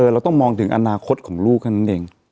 เราต้องมองถึงอนาคตของลูกแค่นั้นเอง